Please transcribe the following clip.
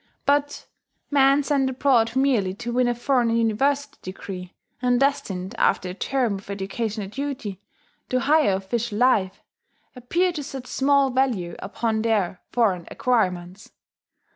But men sent abroad merely to win a foreign University degree, and destined, after a term of educational duty, to higher official life, appear to set small value upon their foreign acquirements.